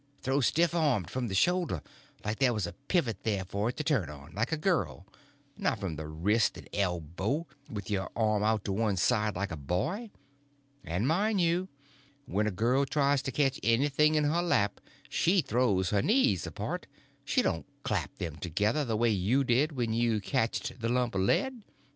Throw stiff armed from the shoulder, like there was a pivot there for it to turn on, like a girl; not from the wrist and elbow, with your arm out to one side, like a boy. And, mind you, when a girl tries to catch anything in her lap she throws her knees apart; she don't clap them together, the way you did when you catched the lump of lead.